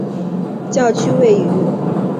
教区位于南宽扎省。